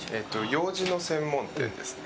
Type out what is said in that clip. ようじの専門店ですね。